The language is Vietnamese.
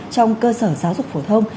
trong cơ sở giáo dục phổ biến